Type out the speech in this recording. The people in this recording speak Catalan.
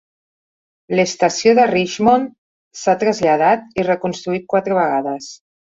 L"estació de Richmond s"ha traslladat i reconstruït quatre vegades.